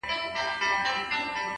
د زړه رڼا مخ روښانوي،